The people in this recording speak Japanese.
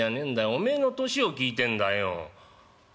おめえの年を聞いてんだよ」。